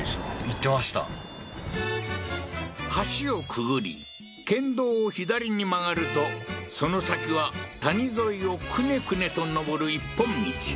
言ってました橋をくぐり県道を左に曲がるとその先は谷沿いをクネクネと上る一本道